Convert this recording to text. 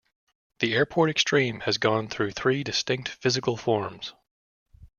The AirPort Extreme has gone through three distinct physical forms.